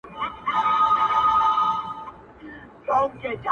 د سرو منګولو له سینګار سره مي نه لګیږي٫